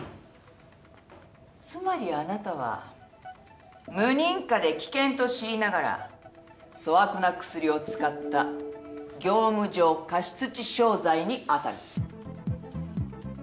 つまりあなたは無認可で危険と知りながら粗悪な薬を使った業務上過失致傷罪に当たる。